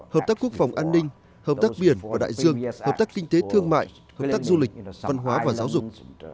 hợp tác quốc phòng an ninh hợp tác biển và đại dương hợp tác kinh tế thương mại hợp tác du lịch văn hóa và giáo dục